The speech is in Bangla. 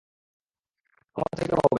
ক্ষমাও চাইতে হবে না।